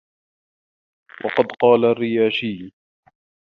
وَقَدْ قَالَ الرِّيَاشِيُّ